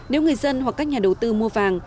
nếu người dân hoặc các nhà đầu tư mua vàng